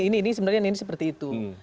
nah ini sebenarnya seperti itu